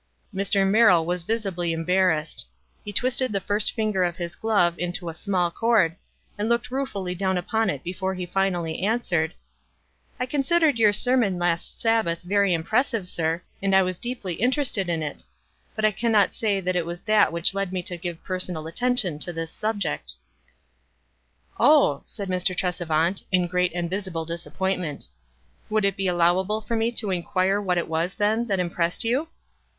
Mr. Merrill was visible embarrassed. He twisted the first finder of his ^love into a small cord, and looked ruefully down upon it before he finally answered, —" I considered your sermon last Sabbath very impressive, sir, and I was deeply interested in it ; but I cannot say it was that which led me to give personal attention to this subject." " Oh," said Mr. Tresevant, in great and visi ble disappointment. "Would it be allowable for me to inquire what it was, then, that im pressed you